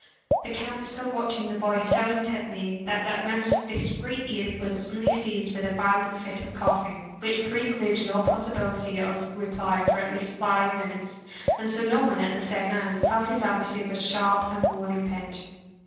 The count was still watching the boy so intently, that that most discreet youth was suddenly seized with a violent fit of coughing, which precluded all possibility of reply for at least five minutes; and Sir Norman, at the same moment, felt his arm receive a sharp and warning pinch.